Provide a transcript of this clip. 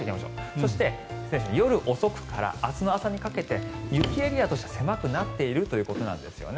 そして、夜遅くから明日の朝にかけて雪エリアは狭くなっているということなんですよね。